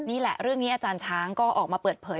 นี่แหละเรื่องนี้อาจารย์ช้างก็ออกมาเปิดเผย